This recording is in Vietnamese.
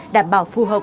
đảm bảo phù hợp